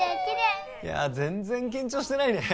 いや全然緊張してないね